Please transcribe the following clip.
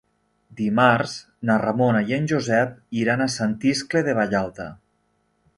Dimarts na Ramona i en Josep iran a Sant Iscle de Vallalta.